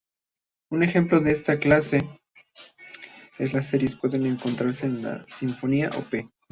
Un ejemplo de esta clase de series puede encontrarse en la Sinfonía Op.